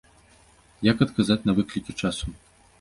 Як адказаць на выклікі часу?